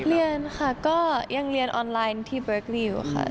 เรียนค่ะก็ยังเรียนออนไลน์ที่เบิร์คดีอยู่ค่ะ